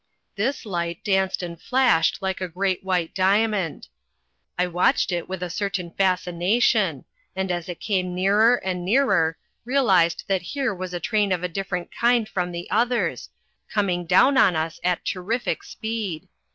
This light danced and flashed like a great white diamond. I watched it with a certain fascination, and as it came nearer and nearer, realized that here was a train of different kind from the others, coming down on us at terrific speed.